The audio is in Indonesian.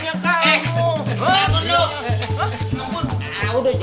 nah udah ya